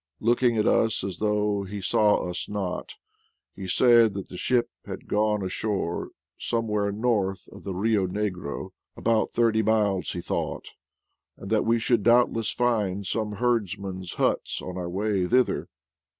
Looking at us as though he saw us not, he said that the ship had gone ashore somewhere north of the Bio Negro, about thirty miles he thought, and that we should doubtless find some herdsmen's huts on our way thither.